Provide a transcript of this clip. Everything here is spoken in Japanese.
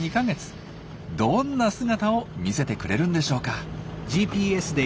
どんな姿を見せてくれるんでしょうか。